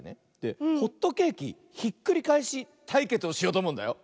ホットケーキひっくりかえしたいけつをしようとおもうんだよ。